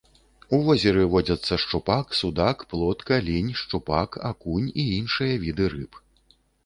У возеры водзяцца шчупак, судак, плотка, лінь шчупак, акунь і іншыя віды рыб.